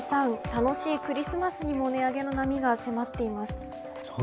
楽しいクリスマスにも値上げの波が迫っています。